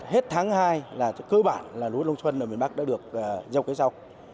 hết tháng hai là cơ bản là lúa đông xuân ở miền bắc đã được dọc cái dọc